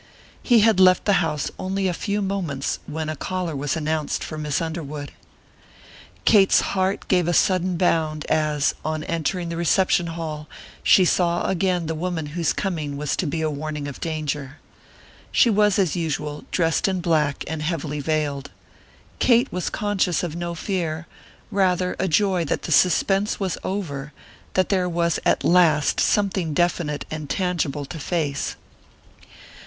He had left the house only a few moments when a caller was announced for Miss Underwood. Kate's heart gave a sudden bound as, on entering the reception hall, she saw again the woman whose coming was to be a warning of danger. She was, as usual, dressed in black and heavily veiled. Kate was conscious of no fear; rather a joy that the suspense was over, that there was at last something definite and tangible to face.